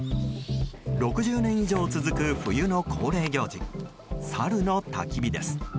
６０年以上続く冬の恒例行事サルのたき火です。